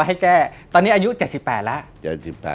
ให้แก้ตอนนี้อายุ๗๘แล้ว